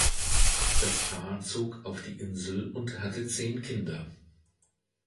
Das Paar zog auf die Insel und hatte zehn Kinder.